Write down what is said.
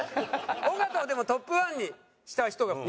尾形をでもトップ１にした人が西村。